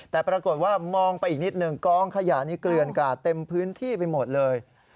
แต่ปรากฏว่ามองไปอีกนิดหนึ่งกองขยะนี้เกลือนกราดเต็มพื้นที่ไปหมดเลย